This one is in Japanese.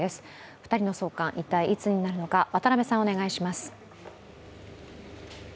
２人の送還、一体いつになるのか、渡部さん、お願いします。